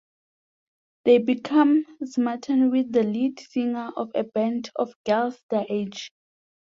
They become smitten with the lead singer of a band of girls their age.